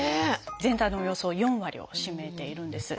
全体のおよそ４割を占めているんです。